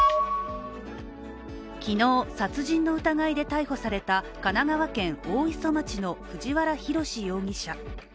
昨日、殺人の疑いで逮捕された神奈川県大磯町の藤原宏容疑者。